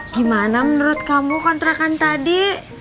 gimana menurut kamu kontrakan tadi